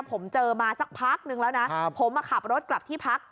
ผมเจอมาสักพักนึงแล้วนะผมมาขับรถกลับที่พัก